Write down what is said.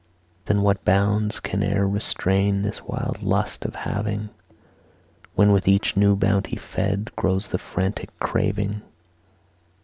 Then what bounds can e'er restrain This wild lust of having, When with each new bounty fed Grows the frantic craving?